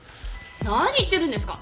何言ってるんですか。